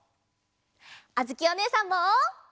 あづきおねえさんも。